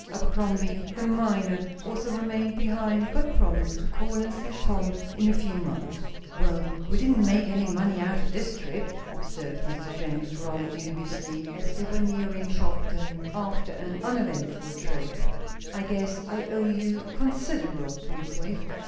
Abercrombie, the miner, also remained behind, but promised to call and see Tom in a few months. "Well, we didn't make any money out of this trip," observed Mr. Jenks, rather dubiously, as they were nearing Shopton, after an uneventful trip. "I guess I owe you considerable, Tom Swift.